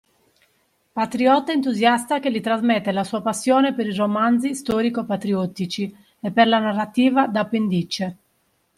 Patriota entusiasta che gli trasmette la sua passione per i romanzi storico-patriottici e per la narrativa d’appendice